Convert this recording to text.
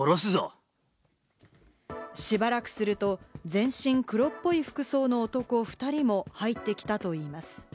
しばらくすると、全身黒っぽい服装の男２人も入ってきたといいます。